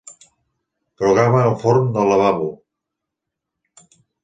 Programa el forn del lavabo.